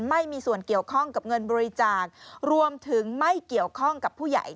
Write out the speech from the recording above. ไม่มีส่วนเกี่ยวข้องกับเงินบริจาครวมถึงไม่เกี่ยวข้องกับผู้ใหญ่